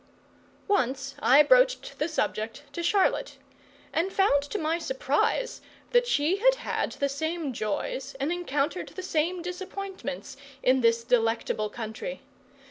Once I broached the subject to Charlotte, and found, to my surprise, that she had had the same joys and encountered the same disappointments in this delectable country.